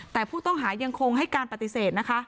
แต่ผู้ต้องหายังคงให้การปฏิเสธนะคะ